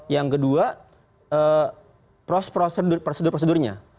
yang kedua prosedur prosedurnya